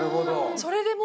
それでもう。